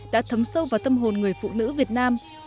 đã thấm sâu vào tâm hồn người phụ nữ việt nam